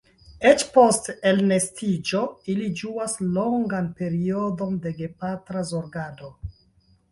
Eĉ post elnestiĝo ili ĝuas longan periodon de gepatra zorgado.